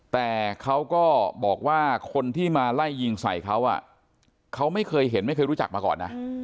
แต่เขาก็บอกว่าคนที่มาไล่ยิงใส่เขาเขาไม่เคยเห็นไม่เคยรู้จักมาก่อนนะ